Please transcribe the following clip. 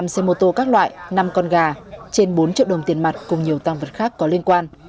năm xe mô tô các loại năm con gà trên bốn triệu đồng tiền mặt cùng nhiều tăng vật khác có liên quan